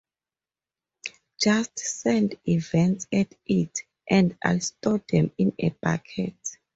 Just send events at it and it'll store them in a bucket